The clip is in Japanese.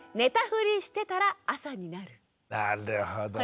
なるほどね。